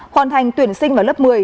hoàn thành tuyển sinh vào lớp một mươi